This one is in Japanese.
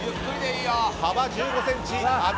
幅１５ｃｍ。